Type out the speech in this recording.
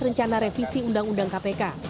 rencana revisi undang undang kpk